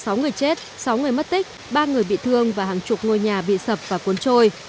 sáu người chết sáu người mất tích ba người bị thương và hàng chục ngôi nhà bị sập và cuốn trôi